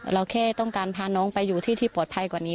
เราแค่ต้องการพาน้องไปอยู่ที่ที่ปลอดภัยกว่านี้